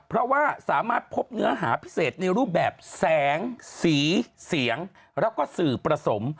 เพราะว่าสามารถพบเนื้อหาพิเศษในรูปแบบแสงสีเสียงแล้วก็สื่อผสม